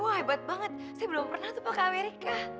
wah hebat banget saya belum pernah suka ke amerika